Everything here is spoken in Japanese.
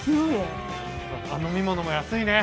飲み物も安いね。